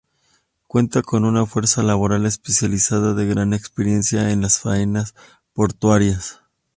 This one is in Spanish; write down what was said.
Cuenta con una fuerza laboral especializada de gran experiencia en las faenas portuarias.